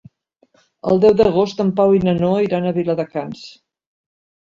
El deu d'agost en Pau i na Noa iran a Viladecans.